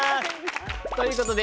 ということで「